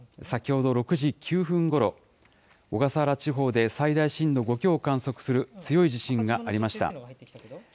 先ほど６時９分ごろ、小笠原地方で最大震度５強を観測する強い地震がありました。